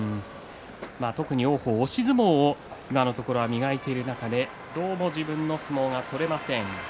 特に王鵬は押し相撲を今、磨いている中でどうも自分の相撲が取れません。